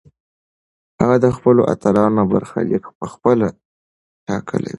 هغه د خپلو اتلانو برخلیک پخپله ټاکلی و.